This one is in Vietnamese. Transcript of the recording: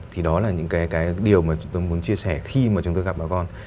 thì đó là những cái điều mà chúng tôi muốn chia sẻ khi mà chúng tôi gặp bà con